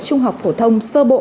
trung học phổ thông sơ bộ